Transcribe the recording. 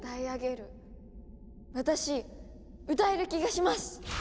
私歌える気がします！